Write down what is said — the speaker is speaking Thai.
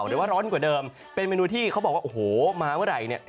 หรือว่าร้อนกว่าเดิมเป็นเมนูที่เขาบอกว่าโอ้โหมาเมื่อไหร่เนี่ย